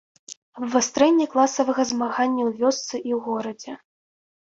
Абвастрэнне класавага змаганняў вёсцы і ў горадзе.